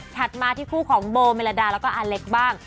ถัดมาที่คู่ของเบอร์มีลาดาและอลั็กบ้าง